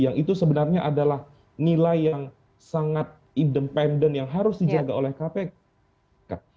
yang itu sebenarnya adalah nilai yang sangat independen yang harus dijaga oleh kpk